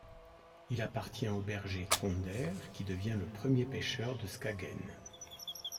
Il appartient au berger Tronder qui devient le premier pêcheur de Skagen.